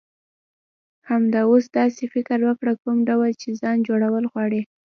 همدا اوس داسی فکر وکړه، کوم ډول چی ځان جوړول غواړی.